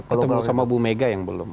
ketemu sama bu mega yang belum